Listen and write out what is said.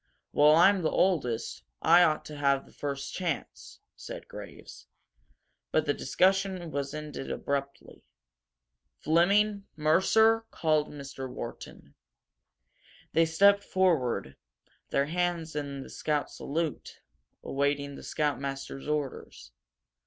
"Well, I'm the oldest. I ought to have first chance," said Graves. But the discussion was ended abruptly. "Fleming! Mercer!" called Mr. Wharton. They stepped forward, their hands raised in the scout salute, awaiting the scoutmaster's orders.